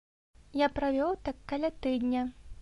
Я правёў так каля тыдня.